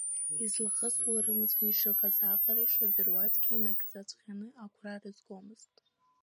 Излахысуа рымҵәаны ишыҟаз аҟара шырдыруазгьы, инагӡаҵәҟьаны агәра рызгомызт.